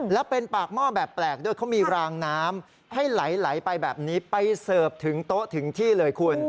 แล้วเป็นปากหม้อแบบแปลกด้วยเขามีรางน้ำให้ไหลไปแบบนี้ไปเสิร์ฟถึงโต๊ะถึงที่เลยคุณ